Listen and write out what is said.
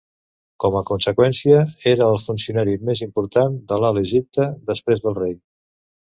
Com a conseqüència, era el funcionari més important de l'Alt Egipte després del rei.